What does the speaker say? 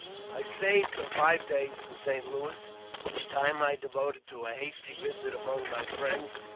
I STAYED but five days in St. Louis, which time I devoted to a hasty visit among my friends.